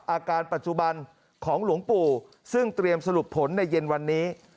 อาการปัจจุบันของหลวงปู่ซึ่งเตรียมสรุปผลในเย็นวันนี้